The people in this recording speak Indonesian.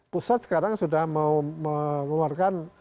pusat sekarang sudah mengeluarkan